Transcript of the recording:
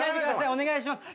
お願いします。